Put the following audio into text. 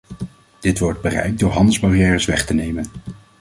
Dit wordt bereikt door handelsbarrières weg te nemen.